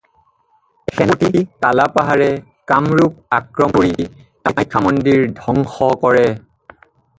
সেনাপতি কালাপাহাৰে কামৰূপ আক্ৰমণ কৰি কামাখ্যা মন্দিৰ ধ্বংস কৰে।